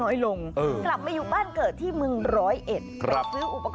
มอลำคลายเสียงมาแล้วมอลำคลายเสียงมาแล้ว